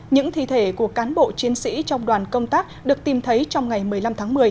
những thi thể của cán bộ chiến sĩ trong đoàn công tác được tìm thấy trong ngày một mươi năm tháng một mươi